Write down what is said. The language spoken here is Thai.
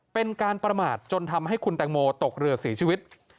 เป็นการประมาทจนทำให้คุณแตงโมตกเรือเสียชีวิต